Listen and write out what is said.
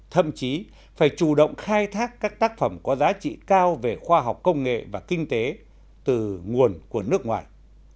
thậm chí phải chủ động khai thác các tác phẩm có giá trị cao về khoa học công nghệ và kinh tế từ nguồn của nước ngoài